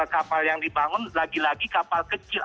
kapal yang dibangun lagi lagi kapal kecil